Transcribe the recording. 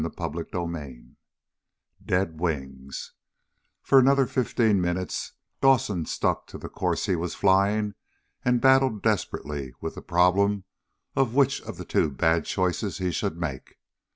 _] CHAPTER EIGHTEEN Dead Wings For another fifteen minutes Dawson stuck to the course he was flying and battled desperately with the problem of which of the two bad choices he should make.